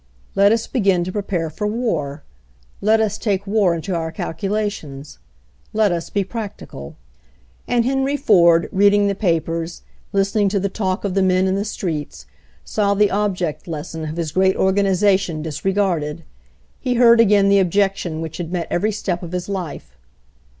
Let us begin to prepare for war. Let us take war into our calculations. Let us be practical." And Henry Ford, reading the papers, listen ing to the talk of the men in the streets, saw the object lesson of his great organization disre 178 HENRY FORD'S OWN STORY garded. He heard again the objection which had met every step of his life.